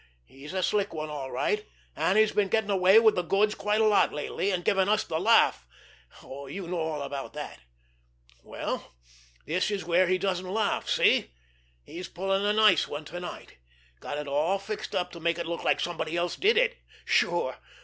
He's a slick one all right, and he's been getting away with the goods quite a lot lately, and giving us the laugh. You know all about that. Well, this is where he doesn't laugh—see? He's pulling a nice one to night. Got it all fixed up to make it look like somebody else did it. Sure!